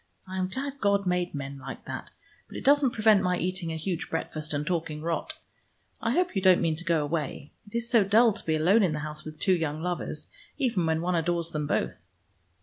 I am glad God made men like that, but it doesn't prevent my eating a huge breakfast and talking rot. I hope you don't mean to go away. It is so dull to be alone in the house with two young lovers, even when one adores them both."